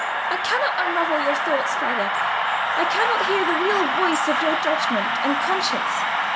I cannot unravel your thoughts, father; I cannot hear the real voice of your judgment and conscience."